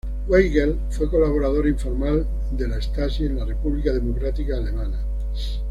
Weigel fue colaborador informal de la Stasi en la República Democrática Alemana.